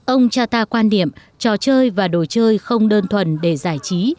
ông cha ta quan điểm trò chơi và đồ chơi không đơn thuần để giải trí